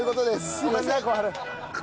すみません。